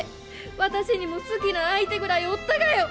私にも好きな相手ぐらいおったがよ！